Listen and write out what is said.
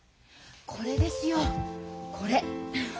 これですよこれ。